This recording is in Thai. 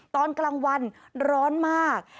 ตอนกลางวันร้อนมาก